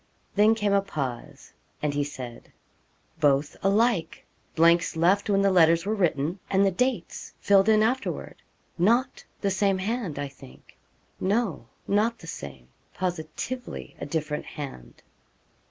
Then came a pause, and he said 'Both alike! blanks left when the letters were written, and the dates filled in afterward not the same hand I think no, not the same positively a different hand.'